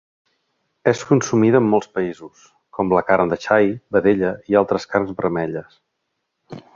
És consumida en molts països com la carn de xai, vedella i altres carns vermelles.